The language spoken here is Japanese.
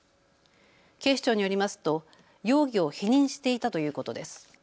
警視庁によりますと容疑を否認していたということです。